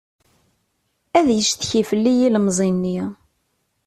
Ad yeccetki fell-i yilemẓi-nni.